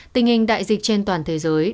tình hình đại dịch trên toàn thế giới